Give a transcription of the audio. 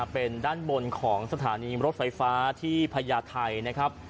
เป็นด้านบนของสถานีรถไฟฟ้าที่พญาไทยนะครับ